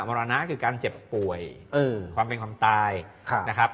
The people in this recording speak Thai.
มรนะก็คือการเจ็บป่วยความเป็นความตาย